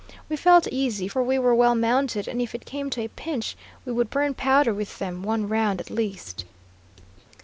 We felt easy, for we were well mounted, and if it came to a pinch, we would burn powder with them, one round at least.